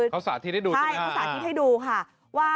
เขาสาธิตให้ดูค่ะ